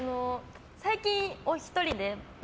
最近お一人で。